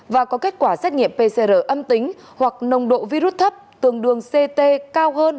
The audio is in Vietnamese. và có kết quả xét nghiệm pcr âm tính hoặc nồng độ virus thấp tương đương ct cao hơn